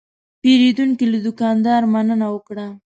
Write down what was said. پیرودونکی له دوکاندار مننه وکړه.